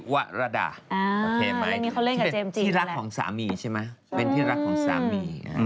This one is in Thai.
ก็เป็นแบบทางช่องที่วีตอลไป